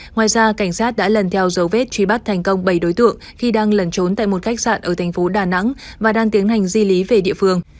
ngoài ra cảnh sát đã lần theo dấu vết truy bắt thành công bảy đối tượng khi đang lẩn trốn tại một khách sạn ở thành phố đà nẵng và đang tiến hành di lý về địa phương